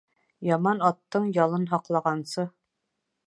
Яман аттың ялын һаҡлағансы